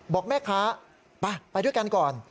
บอกแม่ค้าไปไปด้วยกันก่อน